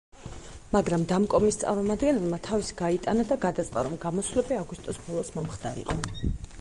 მაგრამ დამკომის წარმომადგენელმა თავისი გაიტანა და გადაწყდა, რომ გამოსვლები აგვისტოს ბოლოს მომხდარიყო.